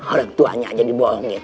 orang tuanya aja dibohongin